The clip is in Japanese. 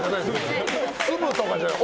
粒とかじゃない。